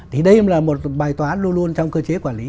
thì đây là một bài toán luôn luôn trong cơ chế quản lý